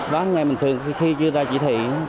vắng ngày bình thường khi chưa ra chỉ thị